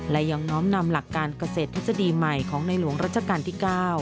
และยังน้อมนำหลักการเกษตรทฤษฎีใหม่ของในหลวงรัชกาลที่๙